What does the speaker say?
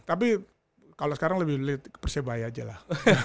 tapi kalau sekarang lebih persebae aja lah